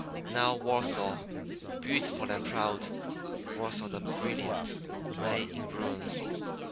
Now Warsaw, beautiful and proud, Warsaw the brilliant lay in ruins.